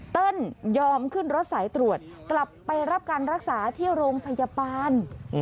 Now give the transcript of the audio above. ยอมขึ้นรถสายตรวจกลับไปรับการรักษาที่โรงพยาบาล